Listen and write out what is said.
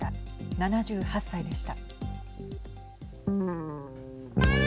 ７８歳でした。